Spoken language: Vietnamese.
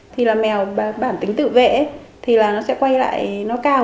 thì là mèo bản tính tự vệ thì là nó sẽ quay lại nó cao